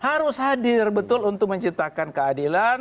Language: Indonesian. harus hadir betul untuk menciptakan keadilan